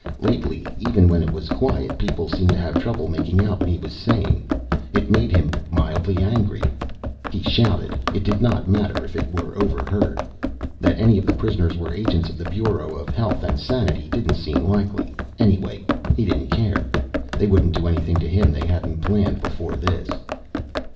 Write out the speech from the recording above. Lately, even when it was quiet, people seemed to have trouble making out what he was saying. It made him mildly angry. He shouted. It did not matter if he were overheard. That any of the prisoners were agents of the Bureau of Health and Sanity didn't seem likely. Anyway, he didn't care. They wouldn't do anything to him they hadn't planned before this.